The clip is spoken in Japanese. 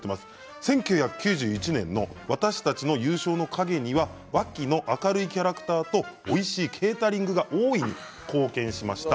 １９９１年の私たちの優勝の陰にはワッキーの明るいキャラクターとおいしいケータリングが大いに貢献しました。